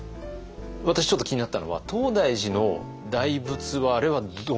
私ちょっと気になったのは東大寺の大仏はあれはどうなったんですか？